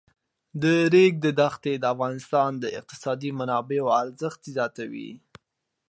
د ریګ دښتې د افغانستان د اقتصادي منابعو ارزښت زیاتوي.